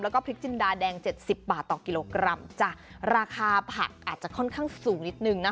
แล้วก็พริกจินดาแดงเจ็ดสิบบาทต่อกิโลกรัมจ้ะราคาผักอาจจะค่อนข้างสูงนิดนึงนะ